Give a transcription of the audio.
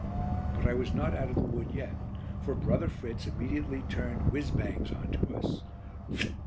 But I was not out of the wood yet, for brother Fritz immediately turned "whizz bangs" on to us.